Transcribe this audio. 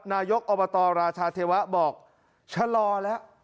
นายกอบตราชาเทวะบอกชะลอแล้ว